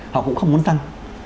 họ cũng không muốn tăng